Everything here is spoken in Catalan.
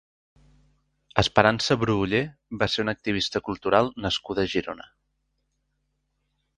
Esperança Bru Oller va ser una activista cultural nascuda a Girona.